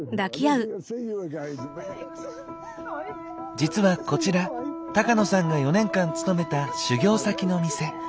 実はこちら高野さんが４年間勤めた修業先の店。